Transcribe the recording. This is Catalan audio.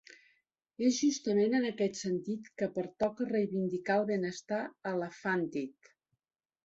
És justament en aquest sentit que pertoca reivindicar el benestar elefàntid.